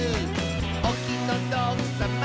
「おきのどくさま」